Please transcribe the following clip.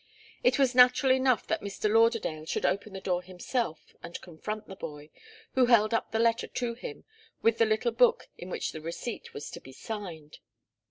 It was natural enough that Mr. Lauderdale should open the door himself and confront the boy, who held up the letter to him with the little book in which the receipt was to be signed.